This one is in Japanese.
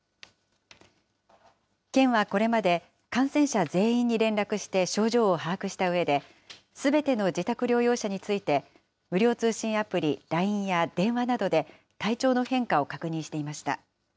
県はこれまで、感染者全員に連絡して、症状を把握したうえで、すべての自宅療養者について、無料通信アプリ、ＬＩＮＥや電話などで、体調の変化を確認していました。